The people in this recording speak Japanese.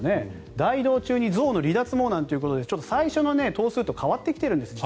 大移動中に象の離脱もということで最初の頭数と違ってきているんです。